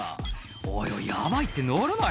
「おいおいヤバいって乗るなよ」